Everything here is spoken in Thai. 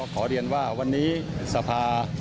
ขอเรียนว่าวันนี้สภา